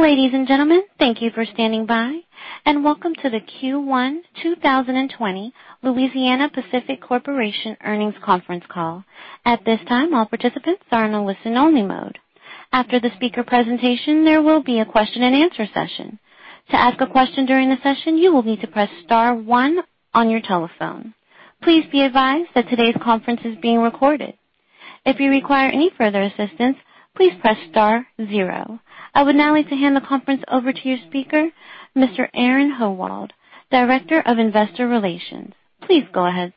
Ladies and gentlemen, thank you for standing by, and welcome to the Q1 2020 Louisiana-Pacific Corporation Earnings Conference Call. At this time, all participants are in a listen-only mode. After the speaker presentation, there will be a question-and-answer session. To ask a question during the session, you will need to press star one on your telephone. Please be advised that today's conference is being recorded. If you require any further assistance, please press star zero. I would now like to hand the conference over to your speaker, Mr. Aaron Howald, Director of Investor Relations. Please go ahead.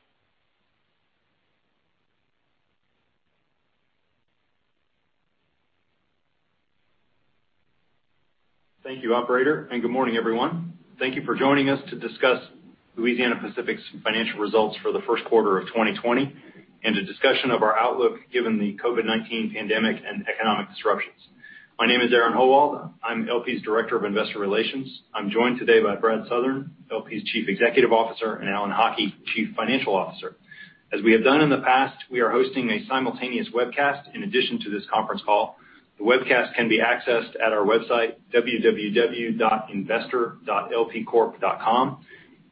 Thank you, Operator, and good morning, everyone. Thank you for joining us to discuss Louisiana-Pacific's financial results for the first quarter of 2020 and a discussion of our outlook given the COVID-19 pandemic and economic disruptions. My name is Aaron Howald. I'm LP's Director of Investor Relations. I'm joined today by Brad Southern, LP's Chief Executive Officer, and Alan Haughie, Chief Financial Officer. As we have done in the past, we are hosting a simultaneous webcast in addition to this conference call. The webcast can be accessed at our website, www.investor.lpcorp.com.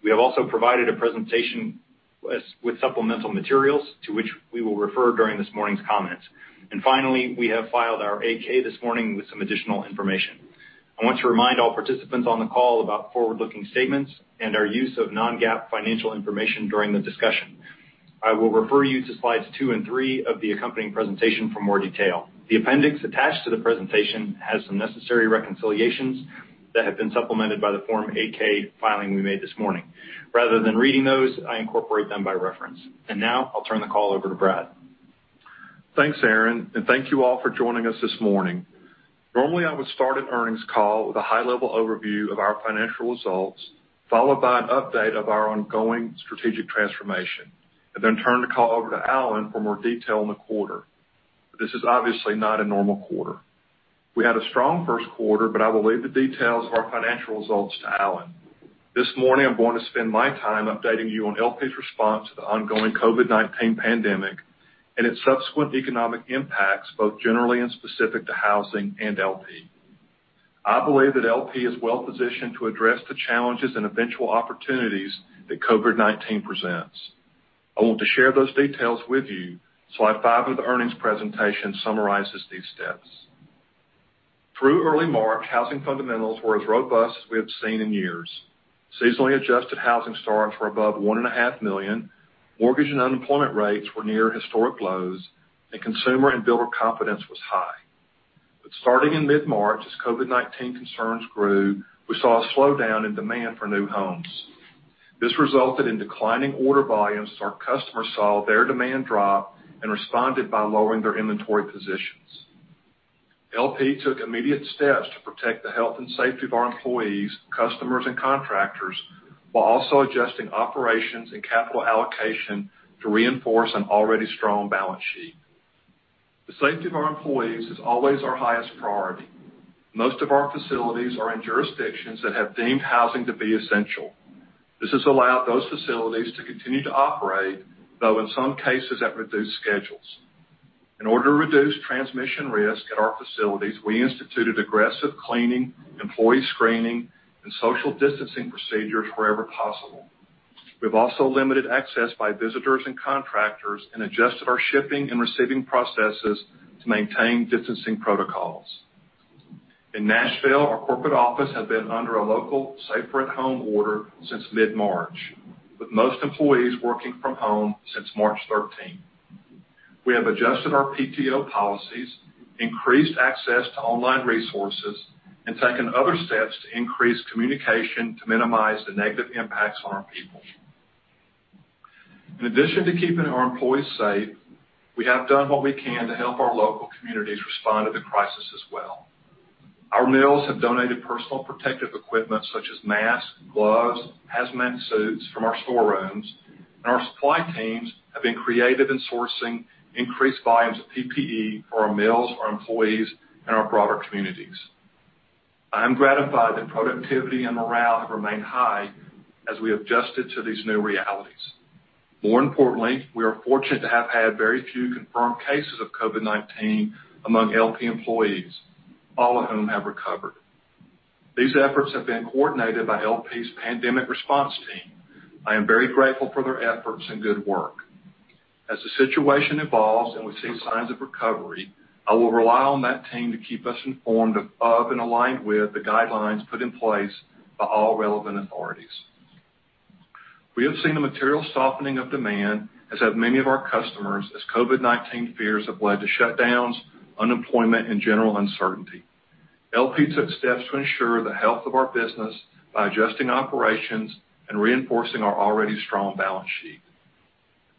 We have also provided a presentation with supplemental materials to which we will refer during this morning's comments. And finally, we have filed our 8-K this morning with some additional information. I want to remind all participants on the call about forward-looking statements and our use of non-GAAP financial information during the discussion. I will refer you to slides two and three of the accompanying presentation for more detail. The appendix attached to the presentation has some necessary reconciliations that have been supplemented by the Form 8-K filing we made this morning. Rather than reading those, I incorporate them by reference, and now I'll turn the call over to Brad. Thanks, Aaron, and thank you all for joining us this morning. Normally, I would start an earnings call with a high-level overview of our financial results, followed by an update of our ongoing strategic transformation, and then turn the call over to Alan for more detail in the quarter. This is obviously not a normal quarter. We had a strong first quarter, but I will leave the details of our financial results to Alan. This morning, I'm going to spend my time updating you on LP's response to the ongoing COVID-19 pandemic and its subsequent economic impacts, both generally and specific to housing and LP. I believe that LP is well-positioned to address the challenges and eventual opportunities that COVID-19 presents. I want to share those details with you. Slide five of the earnings presentation summarizes these steps. Through early March, housing fundamentals were as robust as we have seen in years. Seasonally adjusted housing starts were above one and a half million. Mortgage and unemployment rates were near historic lows, and consumer and builder confidence was high. But starting in mid-March, as COVID-19 concerns grew, we saw a slowdown in demand for new homes. This resulted in declining order volumes, so our customers saw their demand drop and responded by lowering their inventory positions. LP took immediate steps to protect the health and safety of our employees, customers, and contractors, while also adjusting operations and capital allocation to reinforce an already strong balance sheet. The safety of our employees is always our highest priority. Most of our facilities are in jurisdictions that have deemed housing to be essential. This has allowed those facilities to continue to operate, though in some cases at reduced schedules. In order to reduce transmission risk at our facilities, we instituted aggressive cleaning, employee screening, and social distancing procedures wherever possible. We've also limited access by visitors and contractors and adjusted our shipping and receiving processes to maintain distancing protocols. In Nashville, our corporate office has been under a local stay-at-home order since mid-March, with most employees working from home since March 13. We have adjusted our PTO policies, increased access to online resources, and taken other steps to increase communication to minimize the negative impacts on our people. In addition to keeping our employees safe, we have done what we can to help our local communities respond to the crisis as well. Our mills have donated personal protective equipment such as masks, gloves, hazmat suits from our storerooms, and our supply teams have been creative in sourcing increased volumes of PPE for our mills, our employees, and our broader communities. I am gratified that productivity and morale have remained high as we have adjusted to these new realities. More importantly, we are fortunate to have had very few confirmed cases of COVID-19 among LP employees, all of whom have recovered. These efforts have been coordinated by LP's pandemic response team. I am very grateful for their efforts and good work. As the situation evolves and we see signs of recovery, I will rely on that team to keep us informed of and aligned with the guidelines put in place by all relevant authorities. We have seen a material softening of demand, as have many of our customers, as COVID-19 fears have led to shutdowns, unemployment, and general uncertainty. LP took steps to ensure the health of our business by adjusting operations and reinforcing our already strong balance sheet.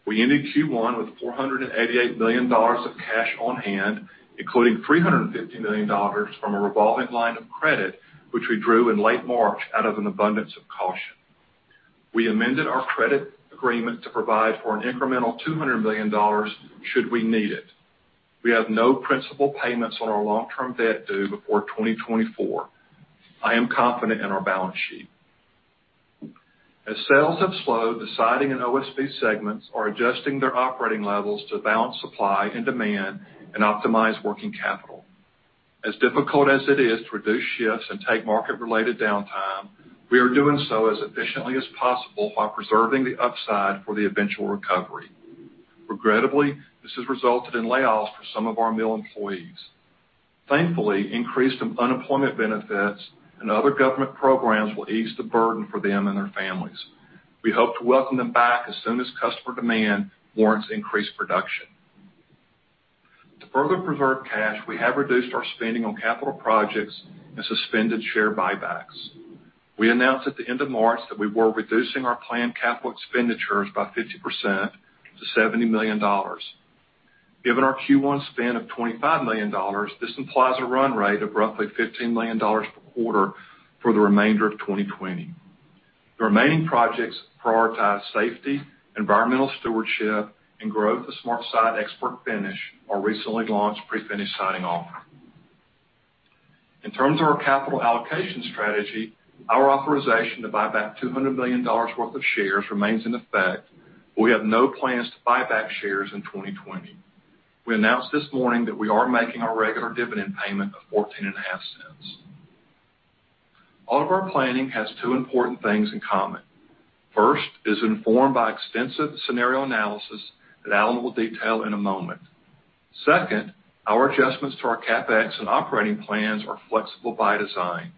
We ended Q1 with $488 million of cash on hand, including $350 million from a revolving line of credit, which we drew in late March out of an abundance of caution. We amended our credit agreement to provide for an incremental $200 million should we need it. We have no principal payments on our long-term debt due before 2024. I am confident in our balance sheet. As sales have slowed, the sliding and OSB segments are adjusting their operating levels to balance supply and demand and optimize working capital. As difficult as it is to reduce shifts and take market-related downtime, we are doing so as efficiently as possible while preserving the upside for the eventual recovery. Regrettably, this has resulted in layoffs for some of our mill employees. Thankfully, increased unemployment benefits and other government programs will ease the burden for them and their families. We hope to welcome them back as soon as customer demand warrants increased production. To further preserve cash, we have reduced our spending on capital projects and suspended share buybacks. We announced at the end of March that we were reducing our planned capital expenditures by 50% to $70 million. Given our Q1 spend of $25 million, this implies a run rate of roughly $15 million per quarter for the remainder of 2020. The remaining projects prioritize safety, environmental stewardship, and growth of SmartSide ExpertFinish, our recently launched prefinished siding offer. In terms of our capital allocation strategy, our authorization to buy back $200 million worth of shares remains in effect, but we have no plans to buy back shares in 2020. We announced this morning that we are making our regular dividend payment of $0.145. All of our planning has two important things in common. First is informed by extensive scenario analysis that Alan will detail in a moment. Second, our adjustments to our CapEx and operating plans are flexible by design.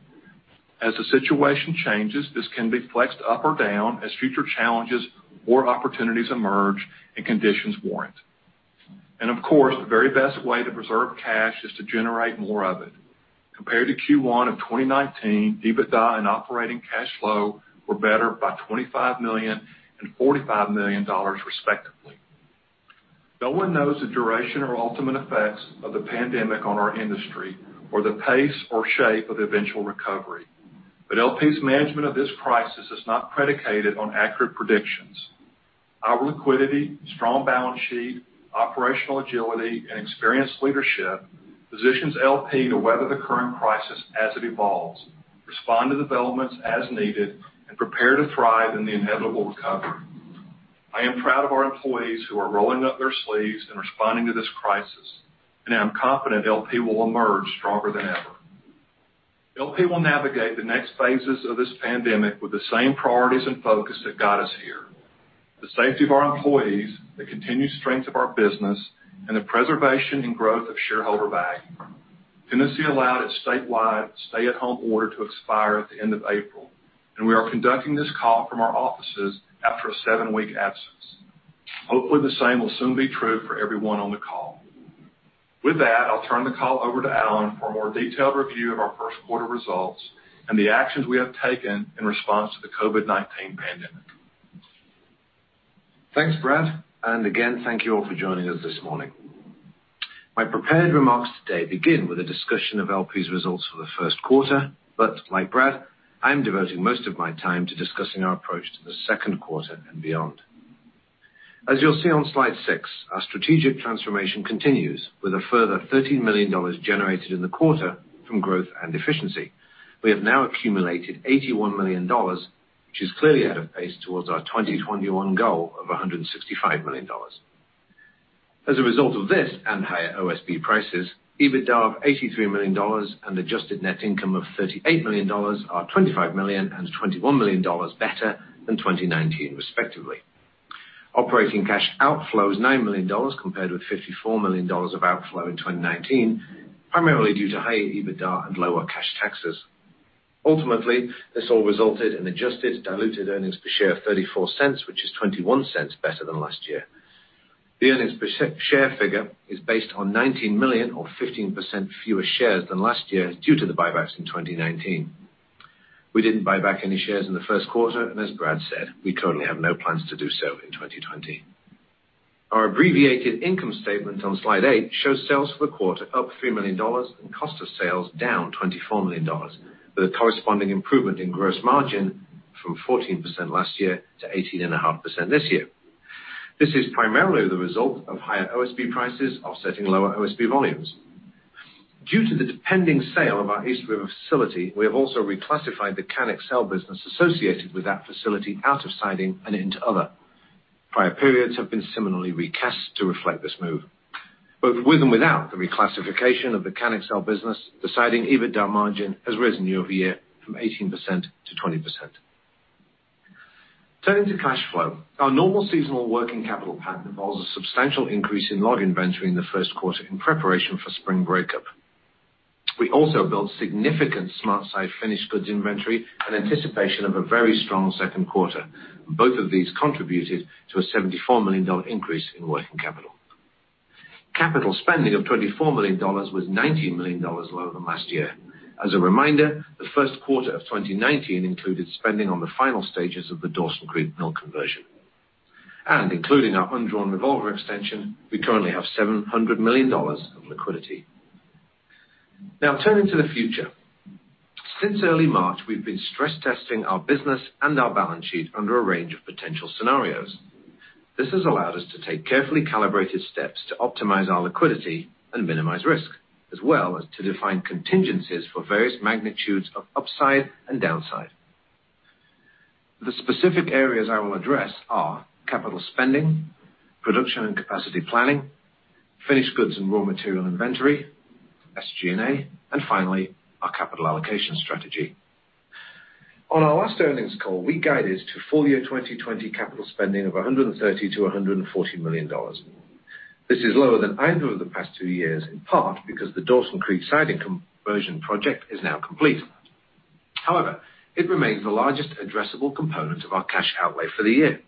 As the situation changes, this can be flexed up or down as future challenges or opportunities emerge and conditions warrant. And of course, the very best way to preserve cash is to generate more of it. Compared to Q1 of 2019, EBITDA and operating cash flow were better by $25 million and $45 million, respectively. No one knows the duration or ultimate effects of the pandemic on our industry or the pace or shape of eventual recovery. But LP's management of this crisis is not predicated on accurate predictions. Our liquidity, strong balance sheet, operational agility, and experienced leadership positions LP to weather the current crisis as it evolves, respond to developments as needed, and prepare to thrive in the inevitable recovery. I am proud of our employees who are rolling up their sleeves and responding to this crisis, and I am confident LP will emerge stronger than ever. LP will navigate the next phases of this pandemic with the same priorities and focus that got us here: the safety of our employees, the continued strength of our business, and the preservation and growth of shareholder value. Tennessee allowed its statewide stay-at-home order to expire at the end of April, and we are conducting this call from our offices after a seven-week absence. Hopefully, the same will soon be true for everyone on the call. With that, I'll turn the call over to Alan for a more detailed review of our first quarter results and the actions we have taken in response to the COVID-19 pandemic. Thanks, Brad. And again, thank you all for joining us this morning. My prepared remarks today begin with a discussion of LP's results for the first quarter, but like Brad, I'm devoting most of my time to discussing our approach to the second quarter and beyond. As you'll see on slide six, our strategic transformation continues with a further $13 million generated in the quarter from growth and efficiency. We have now accumulated $81 million, which is clearly out of pace towards our 2021 goal of $165 million. As a result of this and higher OSB prices, EBITDA of $83 million and adjusted net income of $38 million are $25 million and $21 million better than 2019, respectively. Operating cash outflow is $9 million compared with $54 million of outflow in 2019, primarily due to higher EBITDA and lower cash taxes. Ultimately, this all resulted in adjusted diluted earnings per share of $0.34, which is $0.21 better than last year. The earnings per share figure is based on 19 million or 15% fewer shares than last year due to the buybacks in 2019. We didn't buy back any shares in the first quarter, and as Brad said, we currently have no plans to do so in 2020. Our abbreviated income statement on slide eight shows sales for the quarter up $3 million and cost of sales down $24 million, with a corresponding improvement in gross margin from 14% last year to 18.5% this year. This is primarily the result of higher OSB prices offsetting lower OSB volumes. Due to the pending sale of our East River facility, we have also reclassified the CanExel business associated with that facility out of siding and into other. Prior periods have been similarly recast to reflect this move. Both with and without the reclassification of the CanExel business, the siding EBITDA margin has risen year over year from 18% to 20%. Turning to cash flow, our normal seasonal working capital pattern involves a substantial increase in log inventory in the first quarter in preparation for spring breakup. We also built significant SmartSide finished goods inventory in anticipation of a very strong second quarter. Both of these contributed to a $74 million increase in working capital. Capital spending of $24 million was $19 million lower than last year. As a reminder, the first quarter of 2019 included spending on the final stages of the Dawson Creek mill conversion, and including our undrawn revolver extension, we currently have $700 million of liquidity. Now, turning to the future. Since early March, we've been stress testing our business and our balance sheet under a range of potential scenarios. This has allowed us to take carefully calibrated steps to optimize our liquidity and minimize risk, as well as to define contingencies for various magnitudes of upside and downside. The specific areas I will address are capital spending, production and capacity planning, finished goods and raw material inventory, SG&A, and finally, our capital allocation strategy. On our last earnings call, we guided to full year 2020 capital spending of $130-$140 million. This is lower than either of the past two years, in part because the Dawson Creek siding conversion project is now complete. However, it remains the largest addressable component of our cash outlay for the year.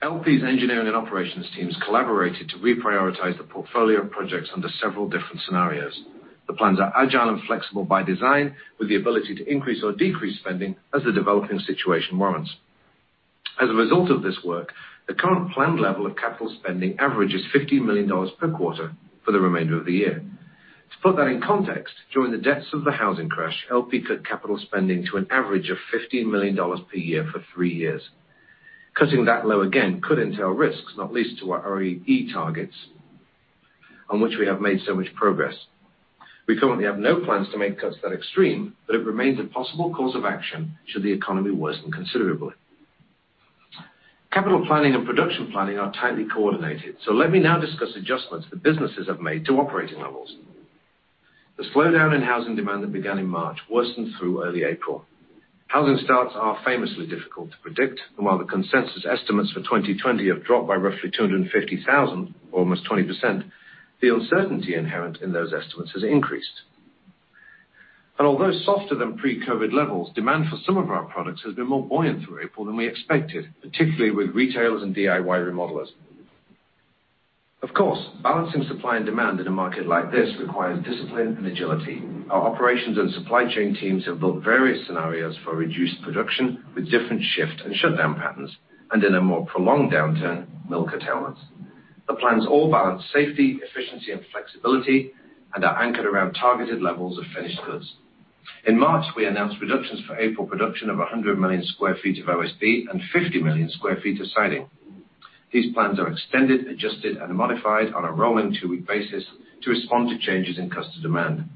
LP's engineering and operations teams collaborated to reprioritize the portfolio projects under several different scenarios. The plans are agile and flexible by design, with the ability to increase or decrease spending as the developing situation warrants. As a result of this work, the current planned level of capital spending averages $15 million per quarter for the remainder of the year. To put that in context, during the depths of the housing crash, LP cut capital spending to an average of $15 million per year for three years. Cutting that low again could entail risks, not least to our ROE targets, on which we have made so much progress. We currently have no plans to make cuts that extreme, but it remains a possible course of action should the economy worsen considerably. Capital planning and production planning are tightly coordinated, so let me now discuss adjustments that businesses have made to operating levels. The slowdown in housing demand that began in March worsened through early April. Housing starts are famously difficult to predict, and while the consensus estimates for 2020 have dropped by roughly 250,000, almost 20%, the uncertainty inherent in those estimates has increased, and although softer than pre-COVID levels, demand for some of our products has been more buoyant through April than we expected, particularly with retailers and DIY remodelers. Of course, balancing supply and demand in a market like this requires discipline and agility. Our operations and supply chain teams have built various scenarios for reduced production with different shift and shutdown patterns, and in a more prolonged downturn, mill curtailments. The plans all balance safety, efficiency, and flexibility, and are anchored around targeted levels of finished goods. In March, we announced reductions for April production of 100 million sq ft of OSB and 50 million sq ft of siding. These plans are extended, adjusted, and modified on a rolling two-week basis to respond to changes in customer demand.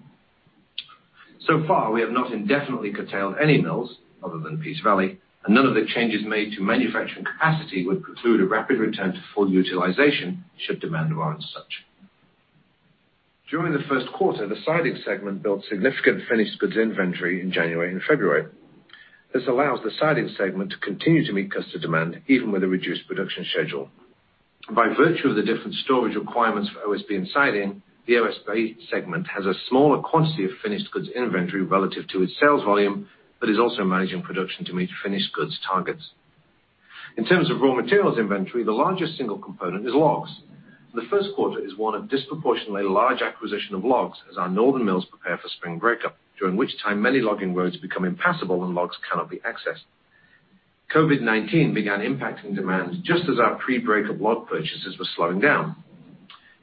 So far, we have not indefinitely curtailed any mills other than Peace Valley, and none of the changes made to manufacturing capacity would preclude a rapid return to full utilization should demand warrant such. During the first quarter, the siding segment built significant finished goods inventory in January and February. This allows the siding segment to continue to meet customer demand even with a reduced production schedule. By virtue of the different storage requirements for OSB and siding, the OSB segment has a smaller quantity of finished goods inventory relative to its sales volume, but is also managing production to meet finished goods targets. In terms of raw materials inventory, the largest single component is logs. The first quarter is one of disproportionately large acquisition of logs as our northern mills prepare for spring breakup, during which time many logging roads become impassable and logs cannot be accessed. COVID-19 began impacting demand just as our pre-breakup log purchases were slowing down.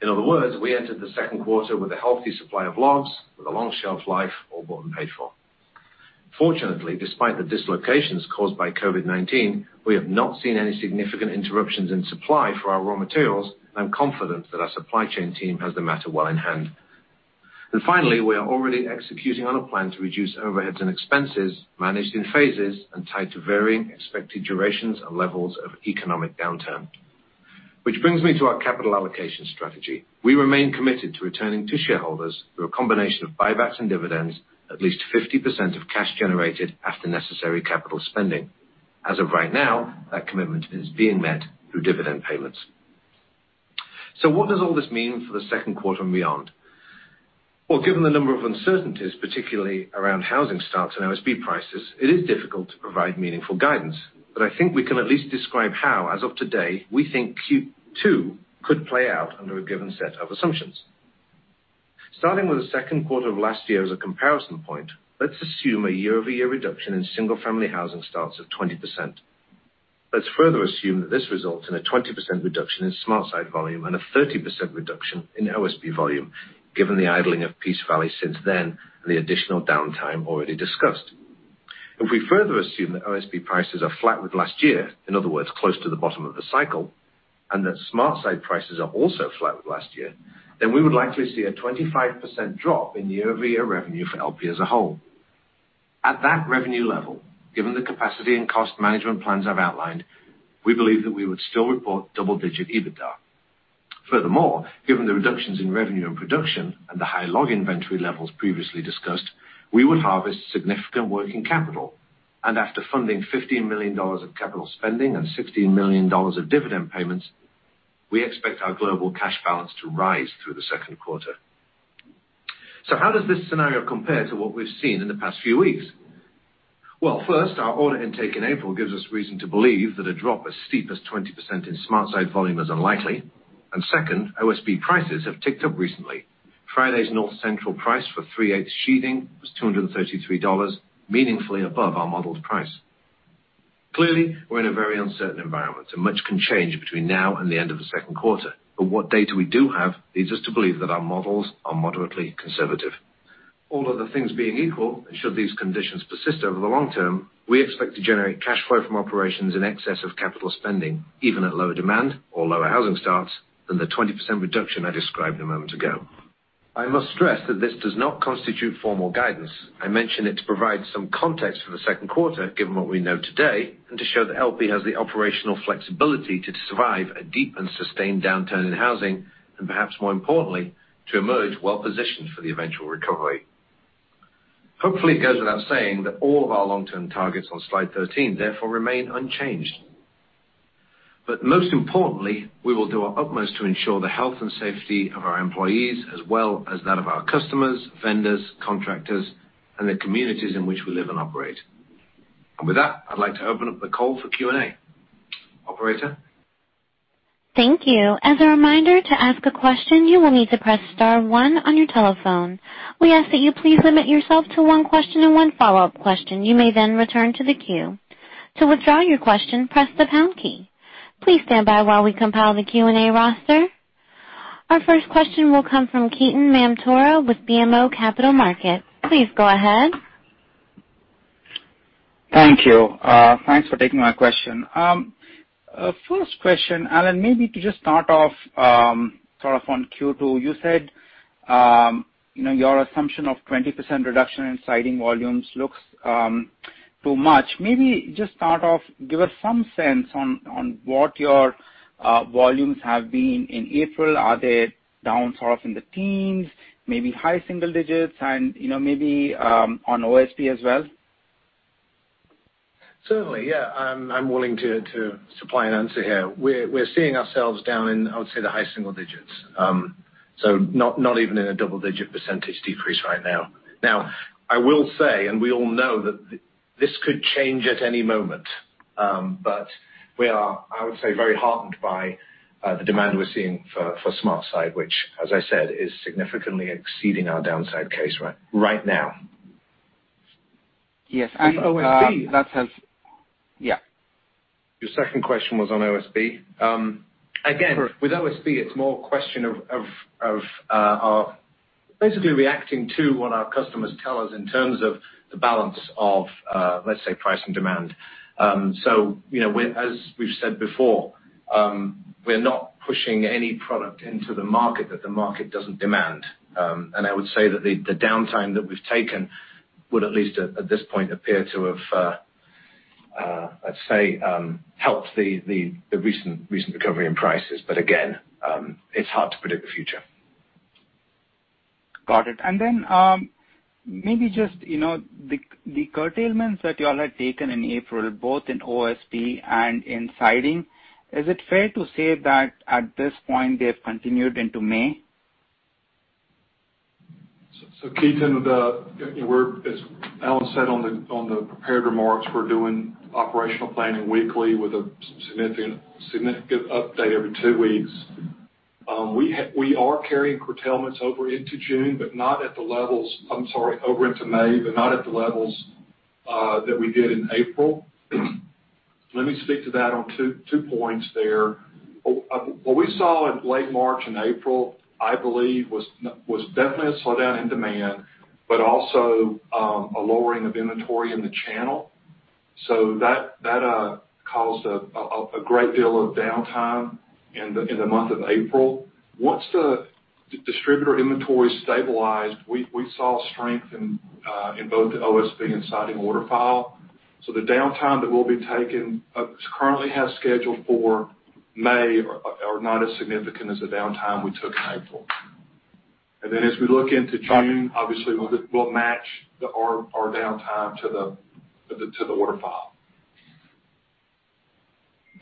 In other words, we entered the second quarter with a healthy supply of logs with a long shelf life all bought and paid for. Fortunately, despite the dislocations caused by COVID-19, we have not seen any significant interruptions in supply for our raw materials, and I'm confident that our supply chain team has the matter well in hand. And finally, we are already executing on a plan to reduce overheads and expenses managed in phases and tied to varying expected durations and levels of economic downturn. Which brings me to our capital allocation strategy. We remain committed to returning to shareholders through a combination of buybacks and dividends, at least 50% of cash generated after necessary capital spending. As of right now, that commitment is being met through dividend payments. So what does all this mean for the second quarter and beyond? Well, given the number of uncertainties, particularly around housing starts and OSB prices, it is difficult to provide meaningful guidance, but I think we can at least describe how, as of today, we think Q2 could play out under a given set of assumptions. Starting with the second quarter of last year as a comparison point, let's assume a year-over-year reduction in single-family housing starts of 20%. Let's further assume that this results in a 20% reduction in SmartSide volume and a 30% reduction in OSB volume, given the idling of Peace Valley since then and the additional downtime already discussed. If we further assume that OSB prices are flat with last year, in other words, close to the bottom of the cycle, and that SmartSide prices are also flat with last year, then we would likely see a 25% drop in year-over-year revenue for LP as a whole. At that revenue level, given the capacity and cost management plans I've outlined, we believe that we would still report double-digit EBITDA. Furthermore, given the reductions in revenue and production and the high log inventory levels previously discussed, we would harvest significant working capital. And after funding $15 million of capital spending and $16 million of dividend payments, we expect our global cash balance to rise through the second quarter. So how does this scenario compare to what we've seen in the past few weeks? First, our order intake in April gives us reason to believe that a drop as steep as 20% in SmartSide volume is unlikely. Second, OSB prices have ticked up recently. Friday's North Central price for three-eighths sheathing was $233, meaningfully above our modeled price. Clearly, we're in a very uncertain environment, and much can change between now and the end of the second quarter. What data we do have leads us to believe that our models are moderately conservative. All other things being equal, and should these conditions persist over the long term, we expect to generate cash flow from operations in excess of capital spending, even at lower demand or lower housing starts, than the 20% reduction I described a moment ago. I must stress that this does not constitute formal guidance. I mention it to provide some context for the second quarter, given what we know today, and to show that LP has the operational flexibility to survive a deep and sustained downturn in housing, and perhaps more importantly, to emerge well-positioned for the eventual recovery. Hopefully, it goes without saying that all of our long-term targets on slide 13 therefore remain unchanged. But most importantly, we will do our utmost to ensure the health and safety of our employees, as well as that of our customers, vendors, contractors, and the communities in which we live and operate. And with that, I'd like to open up the call for Q&A. Operator. Thank you. As a reminder, to ask a question, you will need to press star one on your telephone. We ask that you please limit yourself to one question and one follow-up question. You may then return to the queue. To withdraw your question, press the pound key. Please stand by while we compile the Q&A roster. Our first question will come from Ketan Mamtora with BMO Capital Markets. Please go ahead. Thank you. Thanks for taking my question. First question, Alan, maybe to just start off sort of on Q2, you said your assumption of 20% reduction in siding volumes looks too much. Maybe just start off, give us some sense on what your volumes have been in April. Are they down sort of in the teens, maybe high single digits, and maybe on OSB as well? Certainly, yeah. I'm willing to supply an answer here. We're seeing ourselves down in, I would say, the high single digits. So not even in a double-digit percentage decrease right now. Now, I will say, and we all know that this could change at any moment, but we are, I would say, very heartened by the demand we're seeing for SmartSide, which, as I said, is significantly exceeding our downside case right now. Yes, and OSB, that has yeah. Your second question was on OSB. Again, with OSB, it's more a question of basically reacting to what our customers tell us in terms of the balance of, let's say, price and demand, so as we've said before, we're not pushing any product into the market that the market doesn't demand, and I would say that the downtime that we've taken would, at least at this point, appear to have, let's say, helped the recent recovery in prices, but again, it's hard to predict the future. Got it. And then maybe just the curtailments that you all had taken in April, both in OSB and in siding, is it fair to say that at this point they've continued into May? So Ketan, as Alan said on the prepared remarks, we're doing operational planning weekly with a significant update every two weeks. We are carrying curtailments over into June, but not at the levels. I'm sorry, over into May, but not at the levels that we did in April. Let me speak to that on two points there. What we saw in late March and April, I believe, was definitely a slowdown in demand, but also a lowering of inventory in the channel. So that caused a great deal of downtime in the month of April. Once the distributor inventory stabilized, we saw strength in both the OSB and siding order file. So the downtime that we'll be taking currently has scheduled for May are not as significant as the downtime we took in April. And then as we look into June, obviously, we'll match our downtime to the order file.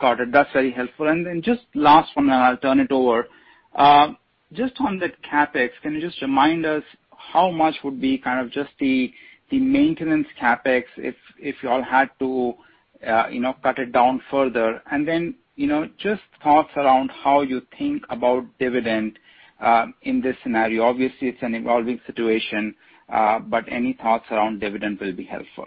Got it. That's very helpful. And then just last one, and I'll turn it over. Just on that CapEx, can you just remind us how much would be kind of just the maintenance CapEx if you all had to cut it down further? And then just thoughts around how you think about dividend in this scenario? Obviously, it's an evolving situation, but any thoughts around dividend will be helpful.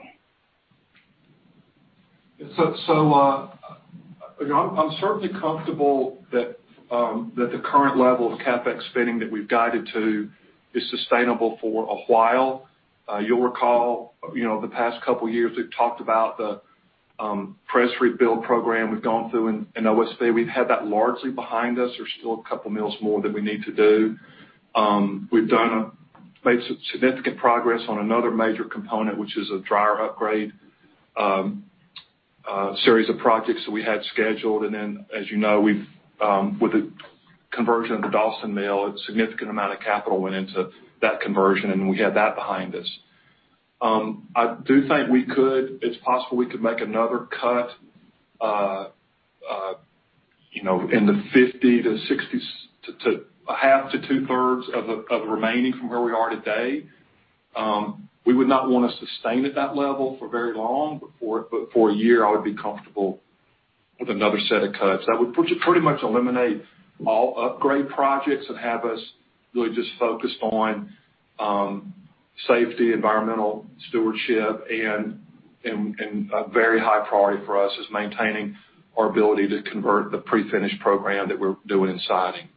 I'm certainly comfortable that the current level of CapEx spending that we've guided to is sustainable for a while. You'll recall the past couple of years we've talked about the press rebuild program we've gone through in OSB. We've had that largely behind us. There's still a couple of mills more that we need to do. We've made significant progress on another major component, which is a dryer upgrade series of projects that we had scheduled. And then, as you know, with the conversion of the Dawson mill, a significant amount of capital went into that conversion, and we had that behind us. I do think it's possible we could make another cut in the 50 to 60 to half to two-thirds of the remaining from where we are today. We would not want to sustain at that level for very long, but for a year, I would be comfortable with another set of cuts. That would pretty much eliminate all upgrade projects and have us really just focused on safety, environmental stewardship, and a very high priority for us is maintaining our ability to convert the pre-finished program that we're doing in siding.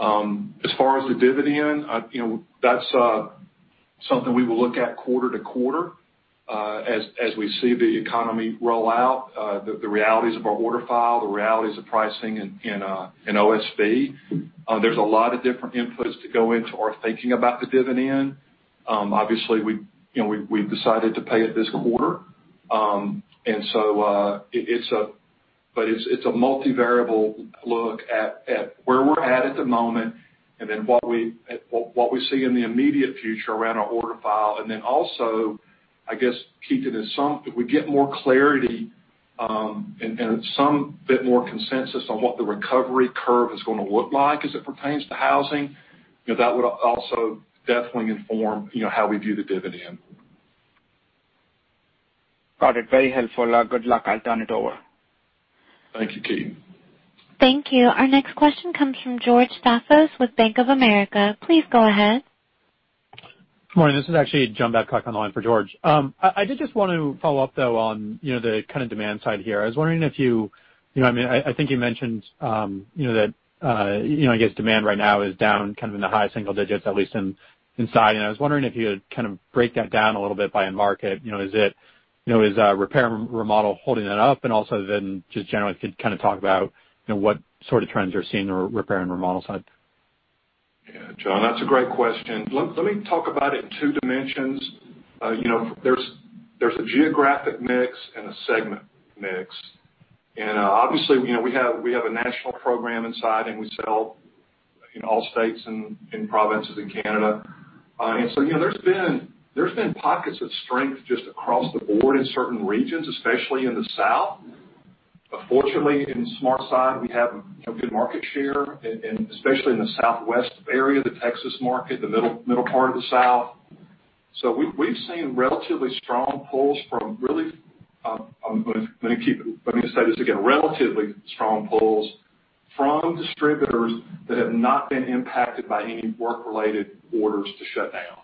As far as the dividend, that's something we will look at quarter to quarter as we see the economy roll out, the realities of our order file, the realities of pricing in OSB. There's a lot of different inputs to go into our thinking about the dividend. Obviously, we've decided to pay it this quarter. And so it's a multi-variable look at where we're at at the moment and then what we see in the immediate future around our order file. And then also, I guess, Ketan, if we get more clarity and some bit more consensus on what the recovery curve is going to look like as it pertains to housing, that would also definitely inform how we view the dividend. Got it. Very helpful. Good luck. I'll turn it over. Thank you, Ketan. Thank you. Our next question comes from George Staphos with Bank of America. Please go ahead. Good morning. This is actually John Babcock on the line for George. I did just want to follow up, though, on the kind of demand side here. I was wondering if you I mean, I think you mentioned that, I guess, demand right now is down kind of in the high single digits, at least inside. And I was wondering if you could kind of break that down a little bit by a market. Is repair and remodel holding that up? And also then just generally, if you could kind of talk about what sort of trends you're seeing on the repair and remodel side. Yeah, John, that's a great question. Let me talk about it in two dimensions. There's a geographic mix and a segment mix. And obviously, we have a national program in siding, and we sell in all states and provinces in Canada. And so there's been pockets of strength just across the board in certain regions, especially in the south. Fortunately, in SmartSide, we have good market share, especially in the southwest area, the Texas market, the middle part of the south. So we've seen relatively strong pulls from really, let me say this again, relatively strong pulls from distributors that have not been impacted by any work-related orders to shut down.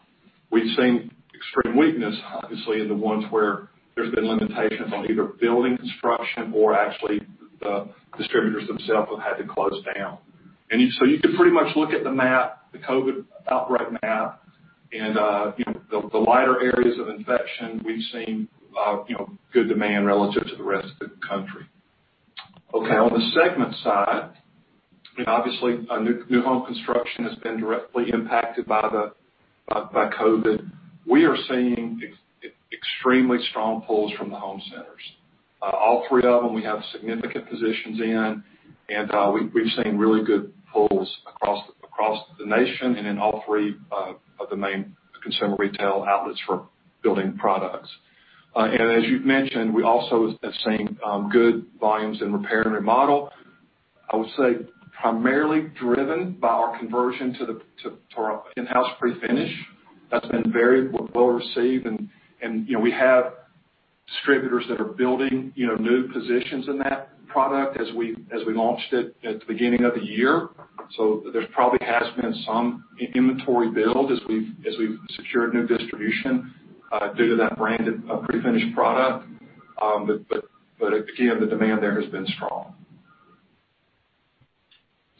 We've seen extreme weakness, obviously, in the ones where there's been limitations on either building construction or actually the distributors themselves have had to close down. And so you could pretty much look at the COVID outbreak map, and the lighter areas of infection, we've seen good demand relative to the rest of the country. Okay. On the segment side, obviously, new home construction has been directly impacted by COVID. We are seeing extremely strong pulls from the home centers. All three of them, we have significant positions in, and we've seen really good pulls across the nation and in all three of the main consumer retail outlets for building products. And as you've mentioned, we also have seen good volumes in repair and remodel, I would say, primarily driven by our conversion to our in-house pre-finish. That's been very well received. And we have distributors that are building new positions in that product as we launched it at the beginning of the year. So there probably has been some inventory build as we've secured new distribution due to that brand of pre-finished product. But again, the demand there has been strong.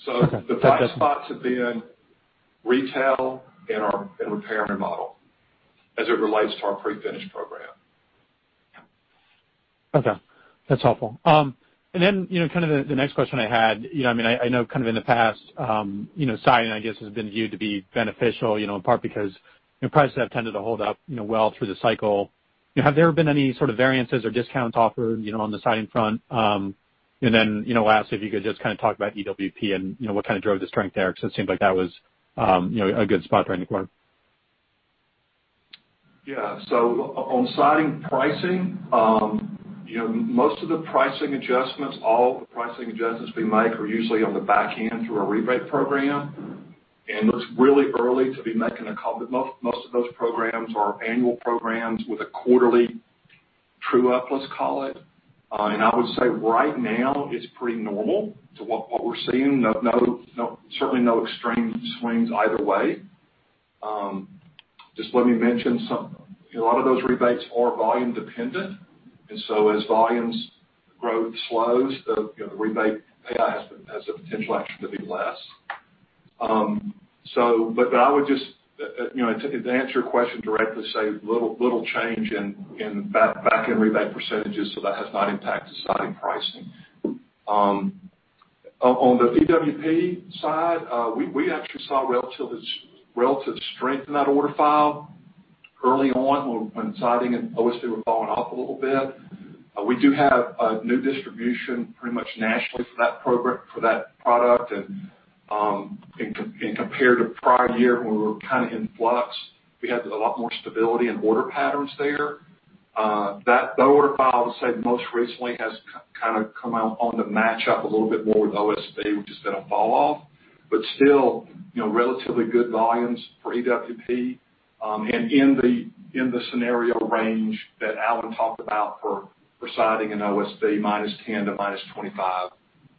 So the prime spots have been retail and repair and remodel as it relates to our pre-finished program. Okay. That's helpful, and then kind of the next question I had. I mean, I know kind of in the past, siding, I guess, has been viewed to be beneficial, in part because prices have tended to hold up well through the cycle. Have there been any sort of variances or discounts offered on the siding front, and then lastly, if you could just kind of talk about EWP and what kind of drove the strength there, because it seemed like that was a good spot during the quarter. Yeah. So on siding pricing, most of the pricing adjustments, all of the pricing adjustments we make are usually on the back end through our rebate program. And it's really early to be making most of those programs are annual programs with a quarterly true-up, let's call it. And I would say right now, it's pretty normal to what we're seeing. Certainly, no extreme swings either way. Just let me mention a lot of those rebates are volume-dependent. And so as volumes growth slows, the rebate payout has the potential actually to be less. But I would just, to answer your question directly, say little change in back-end rebate percentages, so that has not impacted siding pricing. On the EWP side, we actually saw relative strength in that order file early on when siding and OSB were falling off a little bit. We do have new distribution pretty much nationally for that product. And compared to prior year, when we were kind of in flux, we had a lot more stability in order patterns there. That order file, I would say, most recently has kind of come out on the match-up a little bit more with OSB, which has been a fall-off. But still, relatively good volumes for EWP and in the scenario range that Alan talked about for siding and OSB, minus 10 to minus 25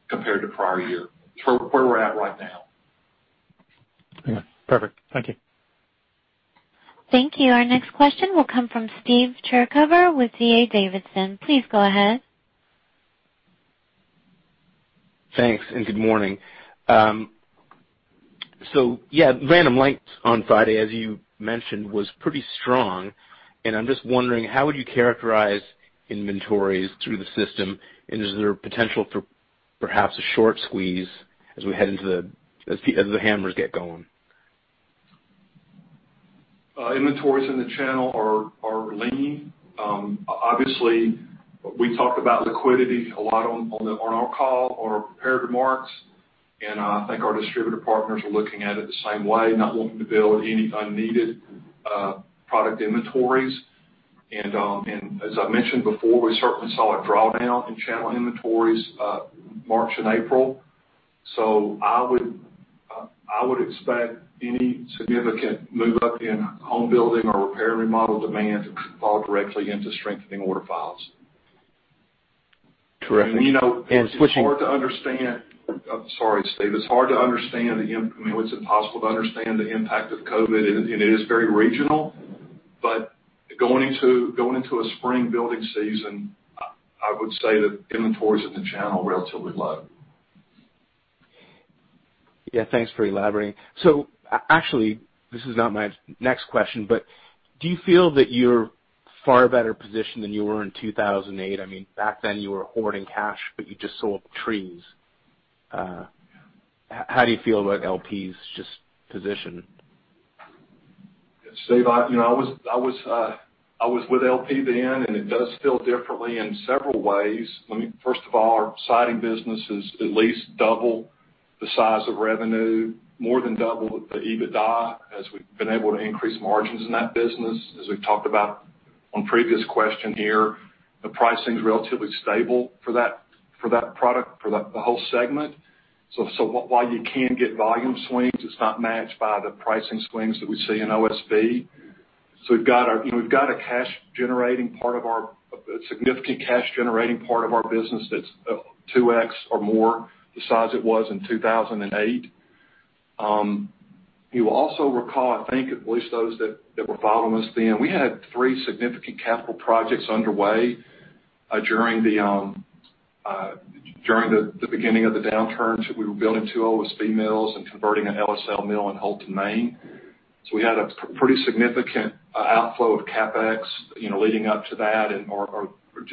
compared to prior year. It's where we're at right now. Okay. Perfect. Thank you. Thank you. Our next question will come from Steve Chercover with D.A. Davidson. Please go ahead. Thanks. And good morning. So yeah, Random Lengths on Friday, as you mentioned, was pretty strong. And I'm just wondering, how would you characterize inventories through the system? And is there potential for perhaps a short squeeze as we head into the, as the hammers get going? Inventories in the channel are lean. Obviously, we talked about liquidity a lot on our call on our prepared remarks, and I think our distributor partners are looking at it the same way, not wanting to build any unneeded product inventories, and as I mentioned before, we certainly saw a drawdown in channel inventories March and April, so I would expect any significant move-up in home building or repair and remodel demand to fall directly into strengthening order files. Correct. It's hard to understand, sorry, Steve. It's hard to understand the. I mean, it's impossible to understand the impact of COVID, and it is very regional. Going into a spring building season, I would say that inventories in the channel are relatively low. Yeah. Thanks for elaborating. So actually, this is not my next question, but do you feel that you're far better positioned than you were in 2008? I mean, back then, you were hoarding cash, but you just sold trees. How do you feel about LP's just position? Steve, I was with LP then, and it does feel differently in several ways. First of all, our siding business is at least double the size of revenue, more than double the EBITDA as we've been able to increase margins in that business. As we've talked about on previous questions here, the pricing is relatively stable for that product, for the whole segment. So while you can get volume swings, it's not matched by the pricing swings that we see in OSB. So we've got a cash-generating part of our significant cash-generating part of our business that's 2x or more the size it was in 2008. You will also recall, I think, at least those that were following us then, we had three significant capital projects underway during the beginning of the downturns that we were building two OSB mills and converting an LSL mill in Houlton, Maine. So we had a pretty significant outflow of CapEx leading up to that and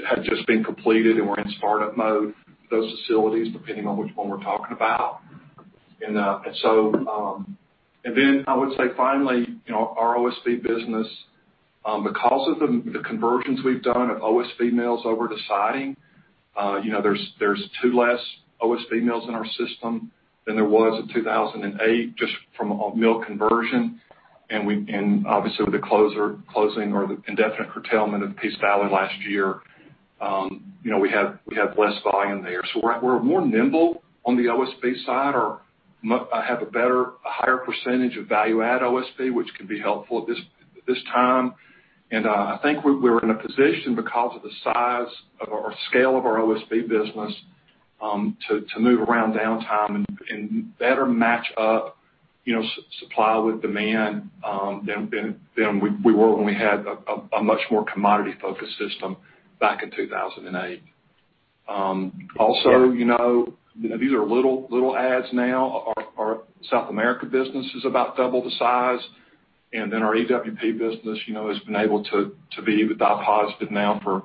had just been completed and were in startup mode. Those facilities, depending on which one we're talking about. And then, I would say finally, our OSB business, because of the conversions we've done of OSB mills over to siding, there's two less OSB mills in our system than there was in 2008 just from mill conversion. And obviously, with the closing or the indefinite curtailment of Peace Valley last year, we have less volume there. So we're more nimble on the OSB side or have a higher percentage of value-add OSB, which can be helpful at this time. And I think we're in a position, because of the size or scale of our OSB business, to move around downtime and better match up supply with demand than we were when we had a much more commodity-focused system back in 2008. Also, these are little adds now. Our South America business is about double the size. And then our EWP business has been able to be with that positive now for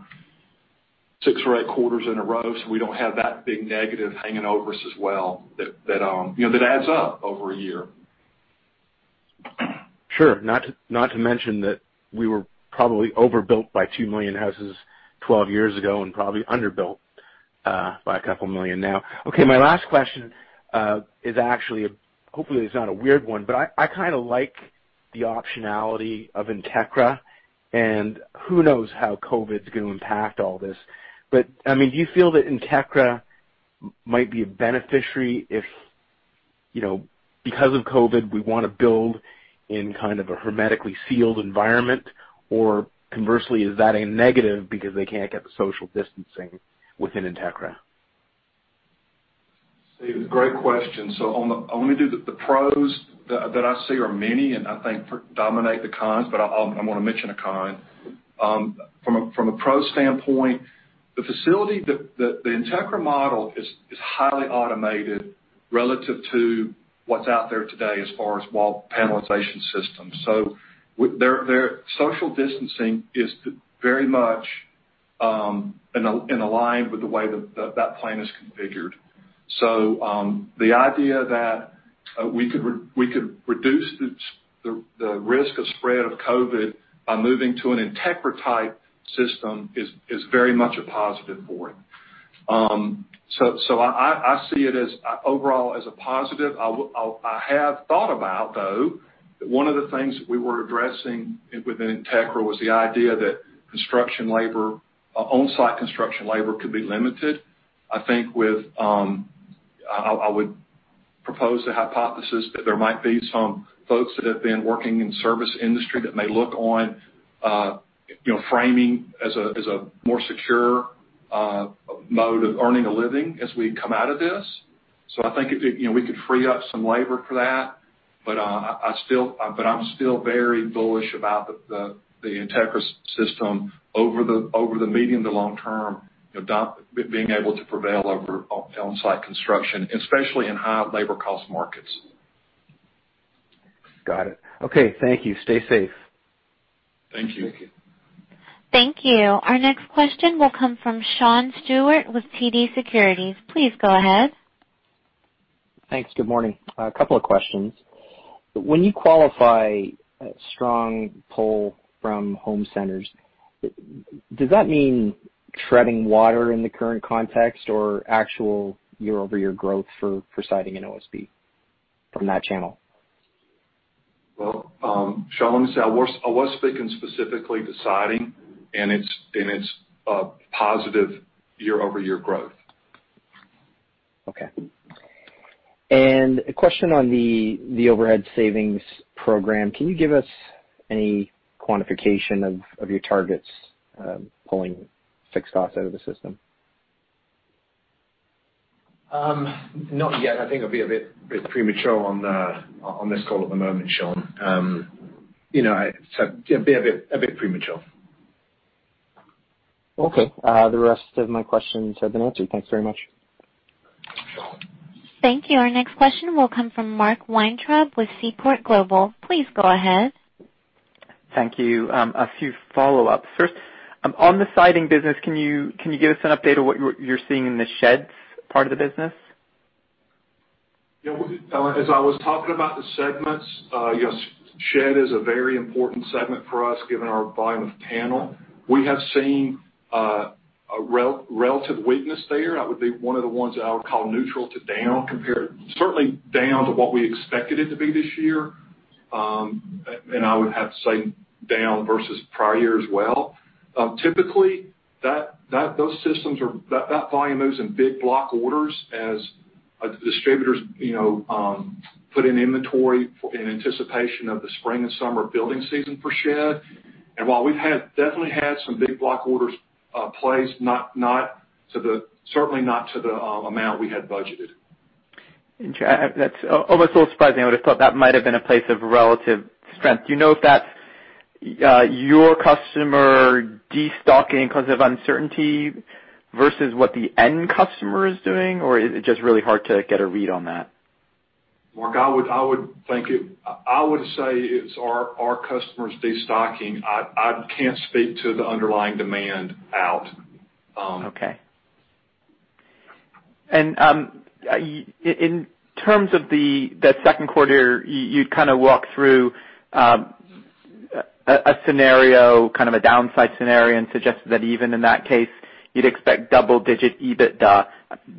six or eight quarters in a row. So we don't have that big negative hanging over us as well that adds up over a year. Sure. Not to mention that we were probably overbuilt by two million houses 12 years ago and probably underbuilt by a couple of million now. Okay. My last question is actually a, hopefully, it's not a weird one, but I kind of like the optionality of Entekra. And who knows how COVID's going to impact all this? But I mean, do you feel that Entekra might be a beneficiary if, because of COVID, we want to build in kind of a hermetically sealed environment? Or conversely, is that a negative because they can't get the social distancing within Entekra? Steve, great question. So I'm going to do the pros that I see are many, and I think dominate the cons, but I want to mention a con. From a pros standpoint, the facility, the Entekra model, is highly automated relative to what's out there today as far as wall panelization systems. So their social distancing is very much in alignment with the way that that plan is configured. So the idea that we could reduce the risk of spread of COVID-19 by moving to an Entekra-type system is very much a positive for it. So I see it overall as a positive. I have thought about, though, one of the things that we were addressing within Entekra was the idea that construction labor, on-site construction labor, could be limited. I think with, I would propose a hypothesis that there might be some folks that have been working in the service industry that may look on framing as a more secure mode of earning a living as we come out of this. So I think we could free up some labor for that. But I'm still very bullish about the Entekra system over the medium to long term, being able to prevail over on-site construction, especially in high labor-cost markets. Got it. Okay. Thank you. Stay safe. Thank you. Thank you. Thank you. Our next question will come from Sean Steuart with TD Securities. Please go ahead. Thanks. Good morning. A couple of questions. When you qualify a strong pull from home centers, does that mean treading water in the current context or actual year-over-year growth for siding and OSB from that channel? Sean, I was speaking specifically to siding, and it's positive year-over-year growth. Okay, and a question on the overhead savings program. Can you give us any quantification of your targets pulling fixed costs out of the system? Not yet. I think I'll be a bit premature on this call at the moment, Sean. It's a bit premature. Okay. The rest of my questions have been answered. Thanks very much. Thank you. Our next question will come from Mark Weintraub with Seaport Global. Please go ahead. Thank you. A few follow-ups. First, on the siding business, can you give us an update of what you're seeing in the sheds part of the business? As I was talking about the segments, shed is a very important segment for us given our volume of panel. We have seen a relative weakness there. I would be one of the ones that I would call neutral to down, certainly down to what we expected it to be this year. And I would have to say down versus prior year as well. Typically, those systems, that volume moves in big block orders as distributors put in inventory in anticipation of the spring and summer building season for shed. And while we've definitely had some big block orders placed, certainly not to the amount we had budgeted. That's almost a little surprising. I would have thought that might have been a place of relative strength. Do you know if that's your customer destocking because of uncertainty versus what the end customer is doing? Or is it just really hard to get a read on that? Mark, I would say it's our customers destocking. I can't speak to the underlying demand out. Okay. And in terms of that second quarter, you'd kind of walk through a scenario, kind of a downside scenario, and suggested that even in that case, you'd expect double-digit EBITDA.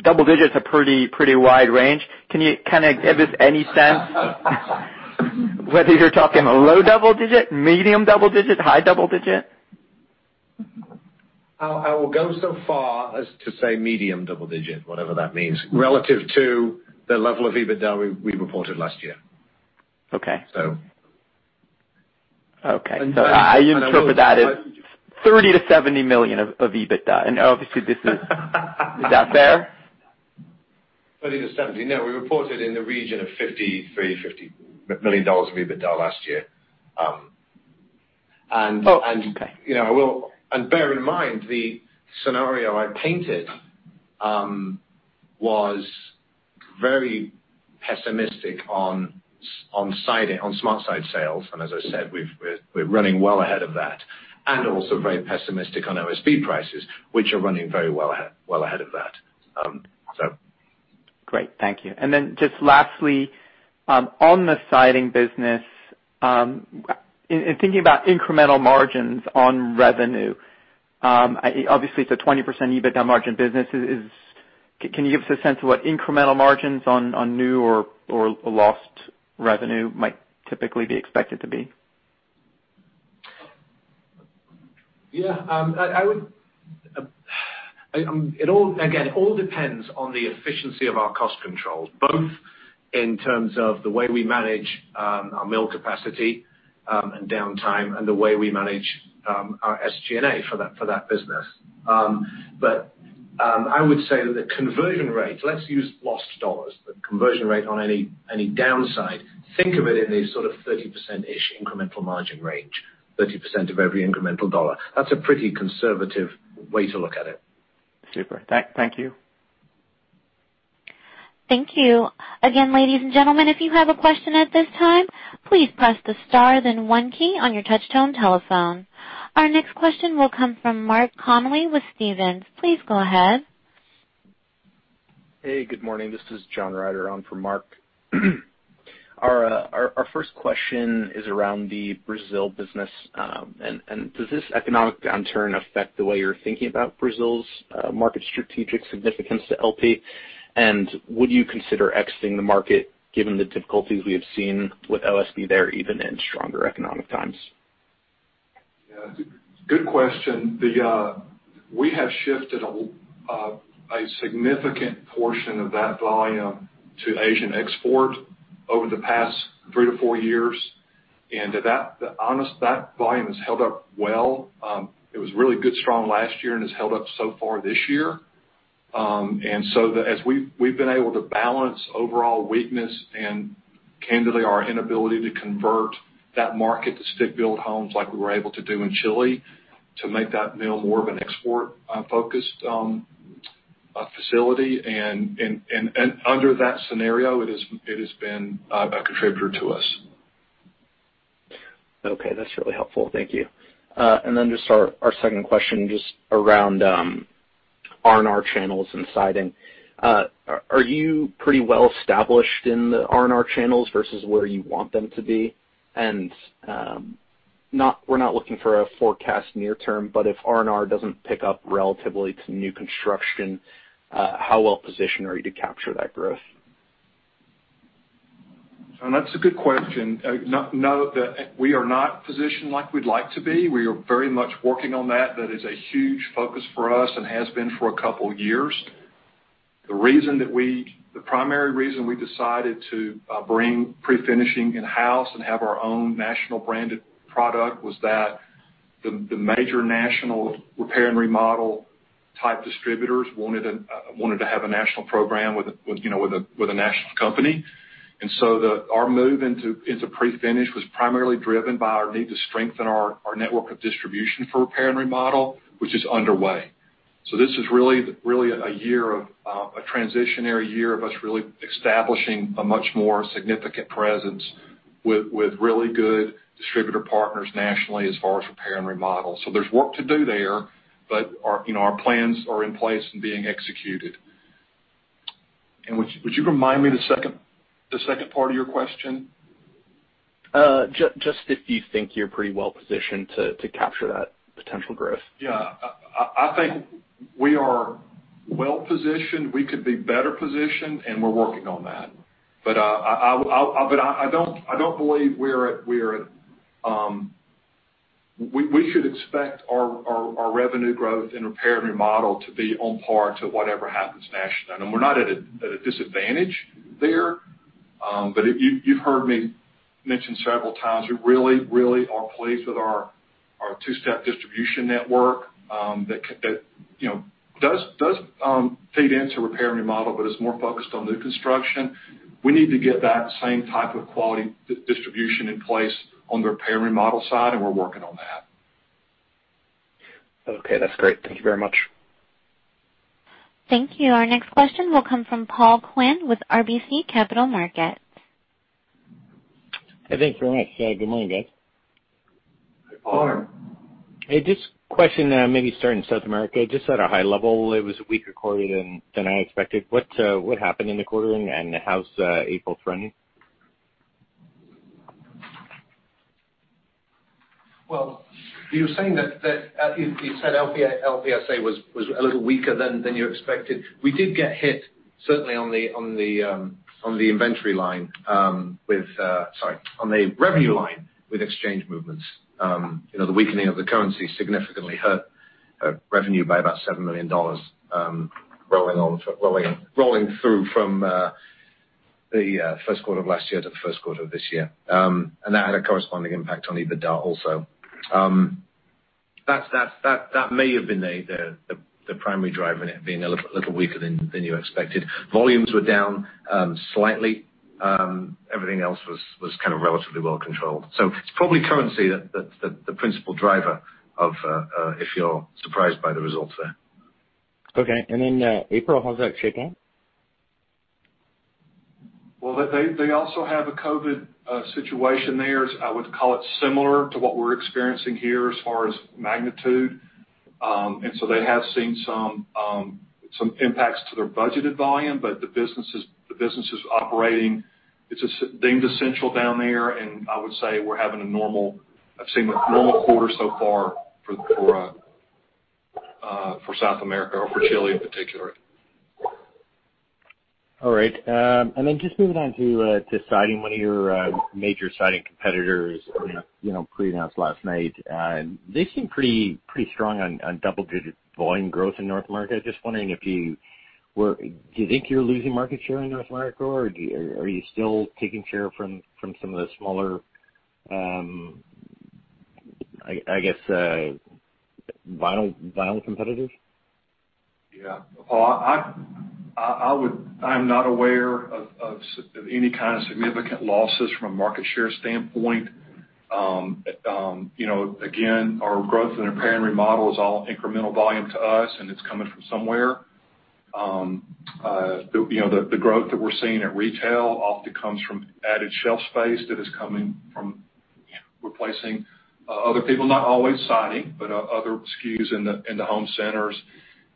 Double digits are a pretty wide range. Can you kind of give us any sense whether you're talking low double digit, medium double digit, high double digit? I will go so far as to say medium double digit, whatever that means, relative to the level of EBITDA we reported last year. Okay. Okay. I interpret that as $30 million-$70 million of EBITDA. And obviously, is that fair? 30 to 70. No, we reported in the region of $53-$50 million of EBITDA last year, and bear in mind, the scenario I painted was very pessimistic on SmartSide sales. And as I said, we're running well ahead of that, and also very pessimistic on OSB prices, which are running very well ahead of that, so. Great. Thank you. And then just lastly, on the siding business, in thinking about incremental margins on revenue, obviously, it's a 20% EBITDA margin business. Can you give us a sense of what incremental margins on new or lost revenue might typically be expected to be? Yeah. Again, it all depends on the efficiency of our cost controls, both in terms of the way we manage our mill capacity and downtime and the way we manage our SG&A for that business. But I would say that the conversion rate, let's use lost dollars, the conversion rate on any downside, think of it in this sort of 30%-ish incremental margin range, 30% of every incremental dollar. That's a pretty conservative way to look at it. Super. Thank you. Thank you. Again, ladies and gentlemen, if you have a question at this time, please press the star then one key on your touch-tone telephone. Our next question will come from Mark Connelly with Stephens. Please go ahead. Hey, good morning. This is John Ryder on for Mark. Our first question is around the Brazil business, and does this economic downturn affect the way you're thinking about Brazil's market strategic significance to LP? And would you consider exiting the market given the difficulties we have seen with OSB there even in stronger economic times? Good question. We have shifted a significant portion of that volume to Asian export over the past three to four years, and that volume has held up well. It was really good, strong last year and has held up so far this year, and so we've been able to balance overall weakness and candidly our inability to convert that market to stick-build homes like we were able to do in Chile to make that mill more of an export-focused facility, and under that scenario, it has been a contributor to us. Okay. That's really helpful. Thank you. And then just our second question just around R&R channels and siding. Are you pretty well established in the R&R channels versus where you want them to be? And we're not looking for a forecast near term, but if R&R doesn't pick up relatively to new construction, how well positioned are you to capture that growth? That's a good question. We are not positioned like we'd like to be. We are very much working on that. That is a huge focus for us and has been for a couple of years. The primary reason we decided to bring pre-finishing in-house and have our own national-branded product was that the major national repair and remodel type distributors wanted to have a national program with a national company. And so our move into pre-finish was primarily driven by our need to strengthen our network of distribution for repair and remodel, which is underway. So this is really a transitional year of us really establishing a much more significant presence with really good distributor partners nationally as far as repair and remodel. So there's work to do there, but our plans are in place and being executed. Would you remind me the second part of your question? Just if you think you're pretty well positioned to capture that potential growth. Yeah. I think we are well positioned. We could be better positioned, and we're working on that. But I don't believe we're at the point where we should expect our revenue growth in repair and remodel to be on par with whatever happens nationally. And we're not at a disadvantage there. But you've heard me mention several times, we really, really are pleased with our two-step distribution network that does feed into repair and remodel, but it's more focused on new construction. We need to get that same type of quality distribution in place on the repair and remodel side, and we're working on that. Okay. That's great. Thank you very much. Thank you. Our next question will come from Paul Quinn with RBC Capital Markets. Hey, thanks very much. Good morning, guys. Hey, Paul. Hey, just a question, maybe starting in South America. Just at a high level, it was a weaker quarter than I expected. What happened in the quarter and how's April trending? You're saying that you said LP S.A. was a little weaker than you expected. We did get hit on the revenue line with exchange movements. The weakening of the currency significantly hurt revenue by about $7 million rolling through from the first quarter of last year to the first quarter of this year. That had a corresponding impact on EBITDA also. That may have been the primary driver in it being a little weaker than you expected. Volumes were down slightly. Everything else was kind of relatively well controlled. It's probably currency that's the principal driver of if you're surprised by the results there. Okay. And then April, how's that shaping up? They also have a COVID situation there. I would call it similar to what we're experiencing here as far as magnitude. So they have seen some impacts to their budgeted volume, but the business is operating. It's deemed essential down there. I would say we're having a normal. I've seen a normal quarter so far for South America or for Chile in particular. All right. And then just moving on to siding, one of your major siding competitors pre-announced last night. They seem pretty strong on double-digit volume growth in North America. Just wondering if you were do you think you're losing market share in North America? Or are you still taking share from some of the smaller, I guess, vinyl competitors? Yeah. Well, I'm not aware of any kind of significant losses from a market share standpoint. Again, our growth in repair and remodel is all incremental volume to us, and it's coming from somewhere. The growth that we're seeing at retail often comes from added shelf space that is coming from replacing other people, not always siding, but other SKUs in the home centers.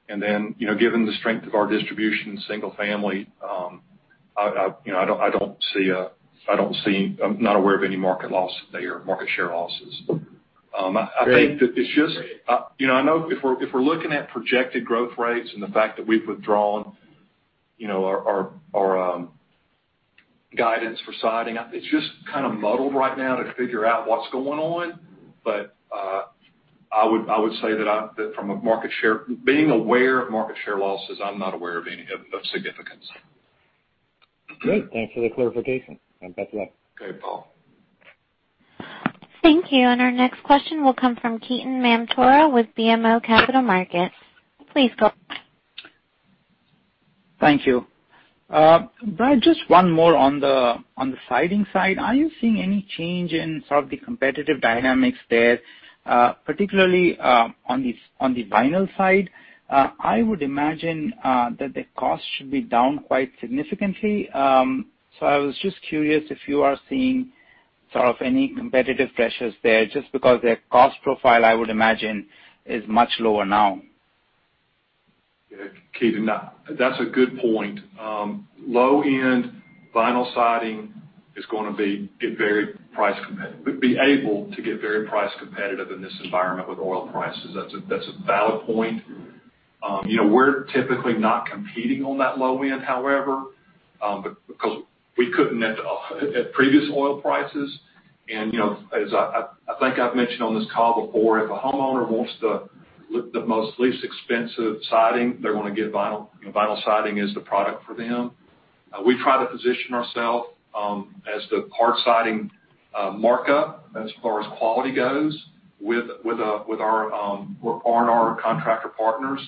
And then given the strength of our distribution in single family, I don't see. I'm not aware of any market loss there or market share losses. I think that it's just I know if we're looking at projected growth rates and the fact that we've withdrawn our guidance for siding, it's just kind of muddled right now to figure out what's going on. But I would say that from a market share being aware of market share losses, I'm not aware of any of significance. Great. Thanks for the clarification. And best of luck. Okay, Paul. Thank you. And our next question will come from Ketan Mamtora with BMO Capital Markets. Please go ahead. Thank you. Brad, just one more on the siding side. Are you seeing any change in sort of the competitive dynamics there, particularly on the vinyl side? I would imagine that the cost should be down quite significantly. So I was just curious if you are seeing sort of any competitive pressures there just because their cost profile, I would imagine, is much lower now. Ketan, that's a good point. Low-end vinyl siding is going to be able to get very price competitive in this environment with oil prices. That's a valid point. We're typically not competing on that low end, however, because we couldn't at previous oil prices. And as I think I've mentioned on this call before, if a homeowner wants the most least expensive siding, they're going to get vinyl. Vinyl siding is the product for them. We try to position ourselves as the hard siding market as far as quality goes with our R&R contractor partners.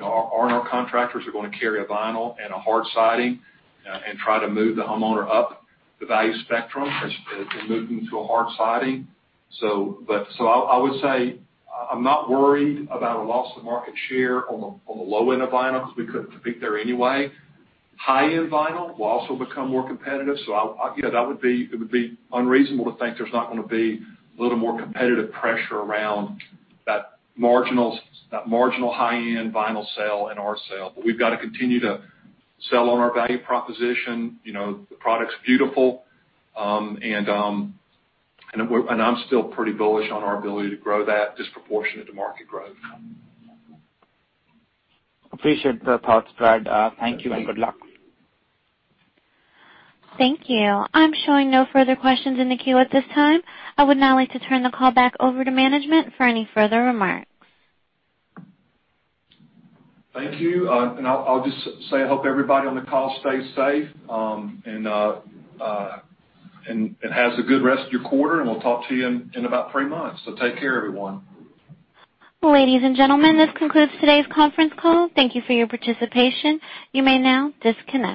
R&R contractors are going to carry a vinyl and a hard siding and try to move the homeowner up the value spectrum and move them to a hard siding. But so I would say I'm not worried about a loss of market share on the low end of vinyl because we couldn't compete there anyway. High-end vinyl will also become more competitive, so that would be unreasonable to think there's not going to be a little more competitive pressure around that marginal high-end vinyl sale and our sale, but we've got to continue to sell on our value proposition. The product's beautiful, and I'm still pretty bullish on our ability to grow that disproportionate to market growth. Appreciate the thoughts, Brad. Thank you and good luck. Thank you. I'm showing no further questions in the queue at this time. I would now like to turn the call back over to management for any further remarks. Thank you. And I'll just say I hope everybody on the call stays safe and has a good rest of your quarter. And we'll talk to you in about three months. So take care, everyone. Ladies and gentlemen, this concludes today's conference call. Thank you for your participation. You may now disconnect.